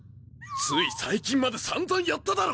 つい最近まで散々やっただろ！